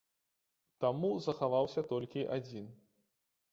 Таму захаваўся толькі адзін.